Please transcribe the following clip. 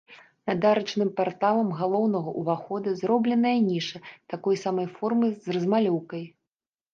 Над арачным парталам галоўнага ўваходу зробленая ніша такой самай формы з размалёўкай.